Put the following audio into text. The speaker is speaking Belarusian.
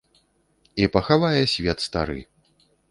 І пахавае свет стары!